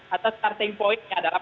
atau starting point nya adalah